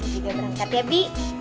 kita berangkat ya bi